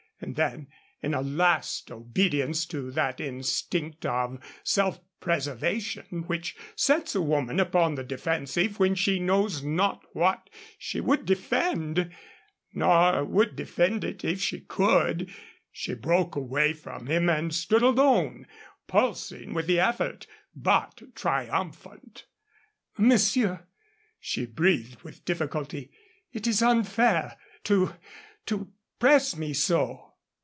And then, in a last obedience to that instinct of self preservation which sets a woman upon the defensive when she knows not what she would defend (nor would defend it if she could), she broke away from him and stood alone, pulsing with the effort, but triumphant. "Monsieur," she breathed with difficulty, "it is unfair to to press me so."